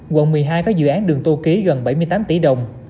quận một mươi hai có dự án đường tô ký gần bảy mươi tám tỷ đồng